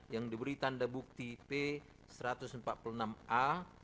yang diberi tanda bukti p satu ratus empat puluh enam a